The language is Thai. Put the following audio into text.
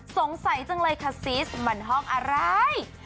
สงสัยจังเลยค่ะซีสมันห้องอะไร